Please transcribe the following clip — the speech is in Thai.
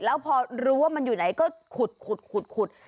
แล้วพอรู้ว่ามันอยู่ไหนก็ขุด